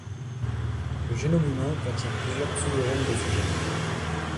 Le génome humain contient plusieurs pseudogènes de ce gène.